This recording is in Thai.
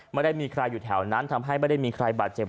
ไม่ได้มีใครอยู่แถวนั้นทำให้ไม่ได้มีใครบาดเจ็บ